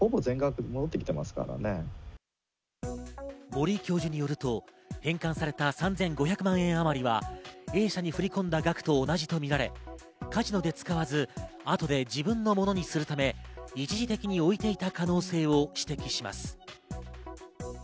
森井教授によると返還された３５００万円あまりはＡ社に振り込んだ額と同じとみられ、カジノで使わず、後で自分のものにするため、一時的に置いていた可能性を指摘します。